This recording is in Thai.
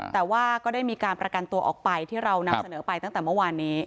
แต่ว่าก็ได้มีการประกันตัวออกไปที่เรานำเสนอไปตั้งแต่เมื่อวานนี้